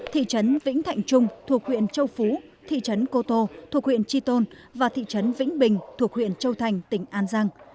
thị trấn vĩnh thạnh trung thuộc huyện châu phú thị trấn cô tô thuộc huyện chi tôn và thị trấn vĩnh bình thuộc huyện châu thành tỉnh an giang